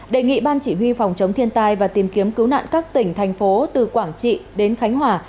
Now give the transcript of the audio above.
đề nghị ban chỉ huy phòng chống thiên tai và tìm kiếm cứu nạn các tỉnh thành phố từ quảng trị đến khánh hòa